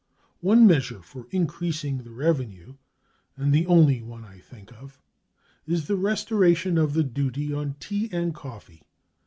One measure for increasing the revenue and the only one I think of is the restoration of the duty on tea and coffee.